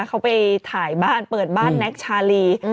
เขาไปถ่ายบ้านเปิดบ้านแน็กชาลี